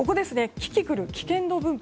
キキクル、危険度分布